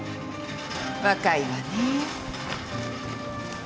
若いわね。